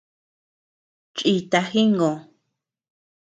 Chiíta jingö.